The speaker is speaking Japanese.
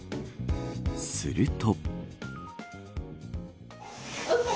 すると。